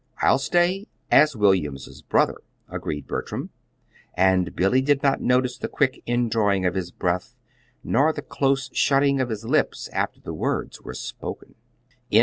"I'll stay as William's brother," agreed Bertram; and Billy did not notice the quick indrawing of his breath nor the close shutting of his lips after the words were spoken.